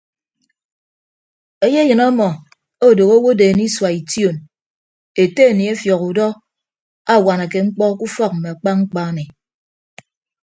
Eyeyịn ọmọ odooho owodeen isua ition ete aniefiọk udọ awanake mkpọ ke ufọk mme akpa mkpa ami.